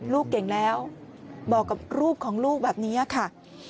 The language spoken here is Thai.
ลูกเก่งแล้วบอกกับรูปของลูกแบบนี้ค่ะ